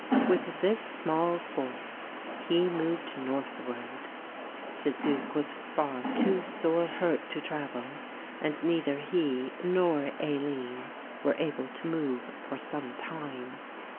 With this small force he moved northward. The Duke was far too sore hurt to travel and neither he nor Aline were able to move for some time.